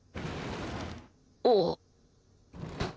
あっ。